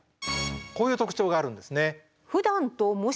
こういう特徴があるんですね。